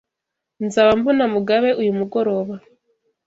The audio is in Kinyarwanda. Nzaba mbona Mugabe uyu mugoroba.